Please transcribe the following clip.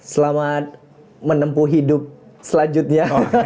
selamat menempuh hidup selanjutnya